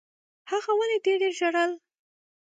هغې ولي ډېر ډېر ژړل؟